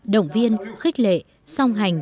động viên khích lệ song hành